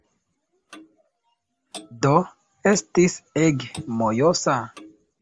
Do, estis ege mojosa.